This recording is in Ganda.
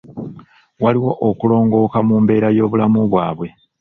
Waliwo okulongooka mu mbeera y'obulamu bwabwe.